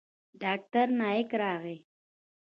ډاکتر نايک راغى.